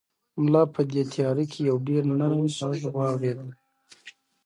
ملا په دې تیاره کې یو ډېر نرم غږ واورېد.